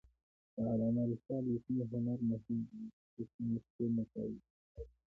د علامه رشاد لیکنی هنر مهم دی ځکه چې نسخې مقابله کوي.